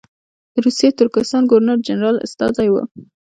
د روسي ترکستان ګورنر جنرال استازی وو.